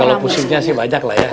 kalau pusingnya sih banyak lah ya